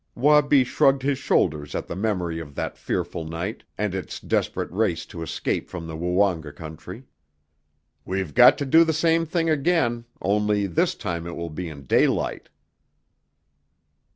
Wabi shrugged his shoulders at the memory of that fearful night and its desperate race to escape from the Woonga country. "We've got to do the same thing again, only this time it will be in daylight."